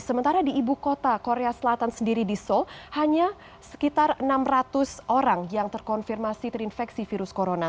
sementara di ibu kota korea selatan sendiri di seoul hanya sekitar enam ratus orang yang terkonfirmasi terinfeksi virus corona